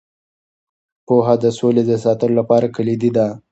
پوهه د سولې د ساتلو لپاره کلیدي ده.